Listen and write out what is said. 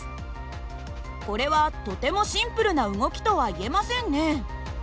これはとてもシンプルな動きとはいえませんね。